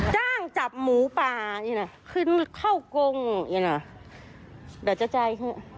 จ้างจับหมูป่าขึ้นเข้ากงเดือนเจ้าใจ